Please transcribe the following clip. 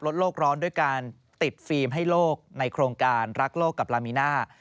โลกร้อนด้วยการติดฟิล์มให้โลกในโครงการรักโลกกับลามีน่า